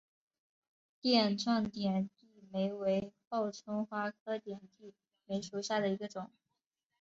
垫状点地梅为报春花科点地梅属下的一个种。